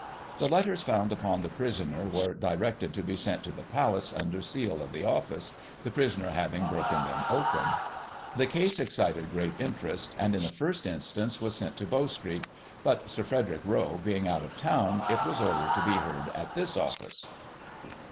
The letters found upon the prisoner were directed to be sent to the Palace, under seal of the Office, the prisoner hav ing broken them open. Digitized by Google 74 GOSSIP. [1838 The case excited great interest, and, in the first instance, was sent to Bow Street ; but Sir Frederick Roe being out of town, it was ordered to be heard at this office.